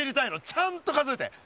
ちゃんと数えて！